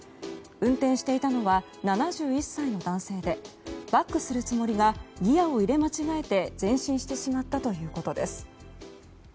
運転していたのは７１歳の男性でバックするつもりがギアを入れ間違えて前進してしまったということです。